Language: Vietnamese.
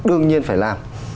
đương nhiên phải làm